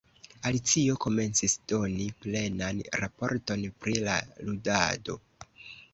Alicio komencis doni plenan raporton pri la ludado.